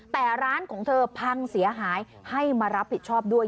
แต่ร้านของเธอพังเสียหายให้มารับผิดชอบด้วย